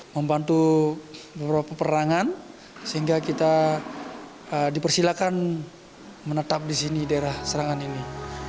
membantu beberapa perangan sehingga kita dipersilakan menetap di sini daerah serangan ini